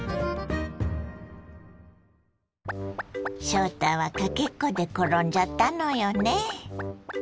翔太はかけっこで転んじゃったのよね。